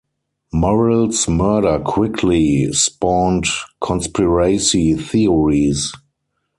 Murrell's murder quickly spawned conspiracy theories.